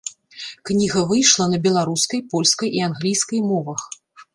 Кніга выйшла на беларускай, польскай і англійскай мовах.